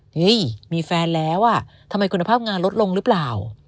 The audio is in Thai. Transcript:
เฮ้ยมีแฟนแล้วอ่ะทำไมคุณภาพงานลดลงหรือเปล่า